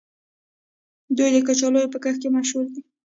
دوی د کچالو په کښت مشهور دي.